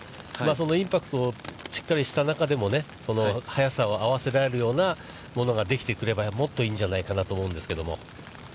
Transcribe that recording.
そのインパクトしっかりした中でも、速さを合わせられるようなものができてくれば、もっといいんじゃないかなと思うんですけれども。